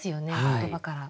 言葉から。